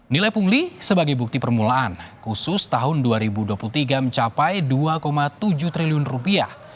nilai pungli sebagai bukti permulaan khusus tahun dua ribu dua puluh tiga mencapai dua tujuh triliun rupiah